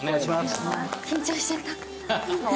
緊張しちゃった。